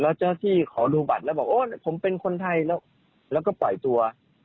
แล้วเจ้าที่ขอดูบัตรแล้วบอกโอ้ผมเป็นคนไทยแล้วแล้วก็ปล่อยตัว